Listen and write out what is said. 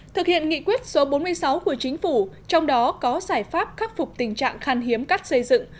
thực hiện nghị quyết số bốn mươi sáu của chính phủ trong đó có giải pháp khắc phục tình trạng khan hiếm cát xây dựng